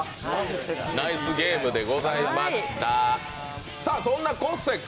ナイスゲームでございました。